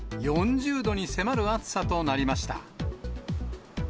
４０度に迫る暑さとなりました。